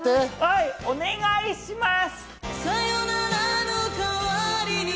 お願いします。